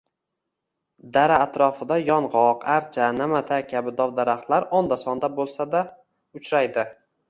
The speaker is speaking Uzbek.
Dara atrofida yongʻoq, archa, naʼmatak kabi dov-daraxtlar onda-sonda boʻlsa-da uchraydi